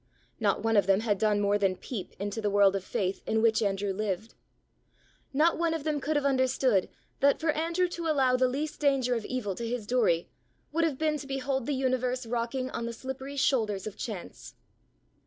Not one of them had done more than peep into the world of faith in which Andrew lived. Not one of them could have understood that for Andrew to allow the least danger of evil to his Doory, would have been to behold the universe rocking on the slippery shoulders of Chance.